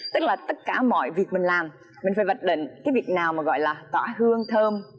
tức là tất cả mọi việc mình làm mình phải vạch định cái việc nào mà gọi là tỏ hương thơm